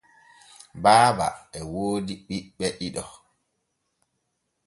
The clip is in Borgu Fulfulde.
Baaba e woodi ɓiɓɓe ɗiɗo.